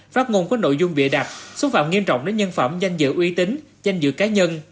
phát ngôn có nội dung bịa đặt xúc phạm nghiêm trọng đến nhân phẩm danh dự uy tín danh dự cá nhân